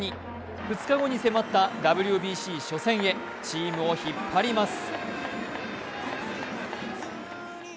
２日後に迫ったＷＢＣ初戦へチームを引っ張ります。